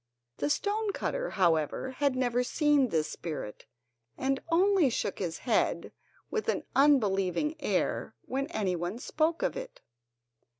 The stone cutter, however, had never seen this spirit, and only shook his head, with an unbelieving air, when anyone spoke of it.